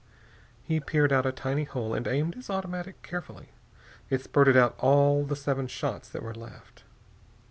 He peered out a tiny hole and aimed his automatic carefully. It spurted out all the seven shots that were left.